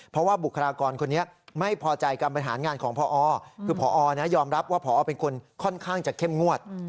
เพราะว่าบุคลากรคนนี้ไม่พอใจการบริหารงานของพอคือพอยอมรับว่าพอเป็นคนค่อนข้างจะเข้มงวด